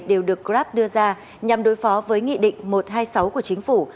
đều được grab đưa ra nhằm đối phó với nghị định một trăm hai mươi sáu của chính phủ